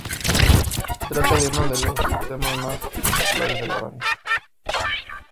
Se trata de uno de los temas más populares de la banda.